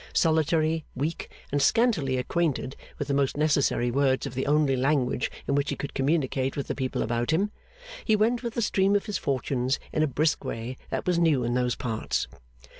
Solitary, weak, and scantily acquainted with the most necessary words of the only language in which he could communicate with the people about him, he went with the stream of his fortunes, in a brisk way that was new in those parts.